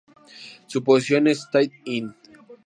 Su posición es tight end.